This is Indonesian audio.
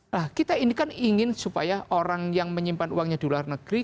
nah kita ini kan ingin supaya orang yang menyimpan uangnya di luar negeri